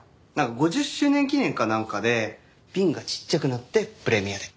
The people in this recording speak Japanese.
５０周年記念かなんかで瓶がちっちゃくなってプレミアで。